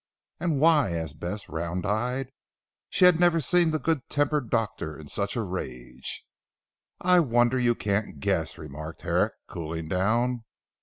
"And why?" asked Bess round eyed. She had never seen the good tempered doctor in such a rage. "I wonder you can't guess," remarked Herrick cooling down.